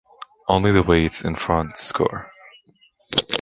Only the weights in front score.